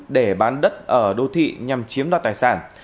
để bán đất ở đô thị nhằm chiếm đoạt tài sản